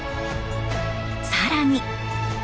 更に。